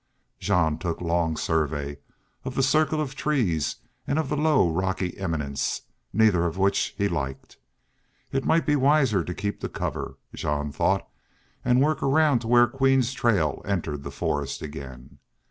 Jean took long survey of the circle of trees and of the low, rocky eminence, neither of which he liked. It might be wiser to keep to cover, Jean thought, and work around to where Queen's trail entered the forest again.